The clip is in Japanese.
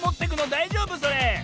だいじょうぶそれ？